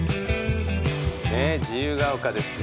自由が丘ですよ。